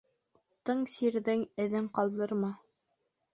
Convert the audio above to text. Уттың, сирҙең эҙен ҡалдырма.